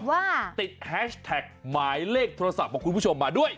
ว่าติดแฮชแท็กหมายเลขโทรศัพท์ของคุณผู้ชมมาด้วย